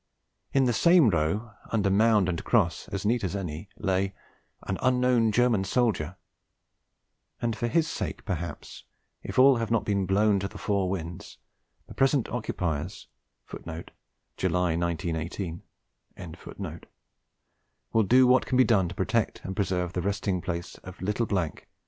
In the same row, under mound and cross as neat as any, lay 'an unknown German soldier'; and for his sake, perhaps, if all have not been blown to the four winds, the present occupiers will do what can be done to protect and preserve the resting place of 'little ' and his Jocks.